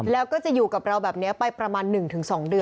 แล้วก็จะอยู่กับเราไป๑๒เดือนด้วย